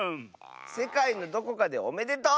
「せかいのどこかでおめでとう！」。